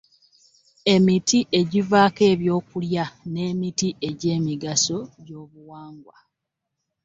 Emiti egivaako ebyokulya n'emiti egy’emigaso gy’obuwangwa.